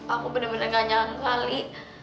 aku bener bener gak nyangka li